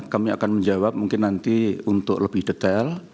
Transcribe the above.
kami akan menjawab mungkin nanti untuk lebih detail